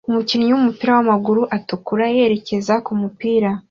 Umukinnyi wumupira wamaguru atukura yerekeza kumupira